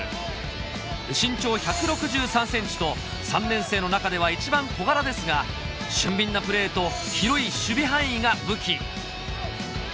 ３年生の中では一番小柄ですが俊敏なプレーと広い守備範囲が武器